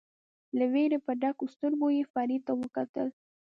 له وېرې په ډکو سترګو یې فرید ته وکتل.